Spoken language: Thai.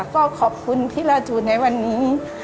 ก็ขอบคุณพี่ลาจูในวันนี้